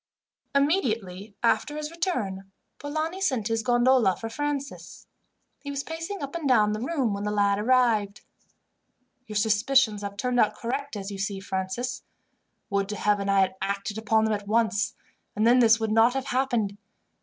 Immediately after his return, Polani sent his gondola for Francis. He was pacing up and down the room when the lad arrived. "Your suspicions have turned out correct, as you see, Francis. Would to Heaven I had acted upon them at once, and then this would not have happened.